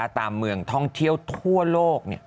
เมืองท่องเที่ยวทั่วโลก